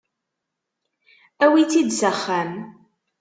Awit-tt-id s axxam.